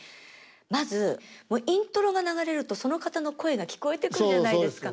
まずイントロが流れるとその方の声が聞こえてくるじゃないですか。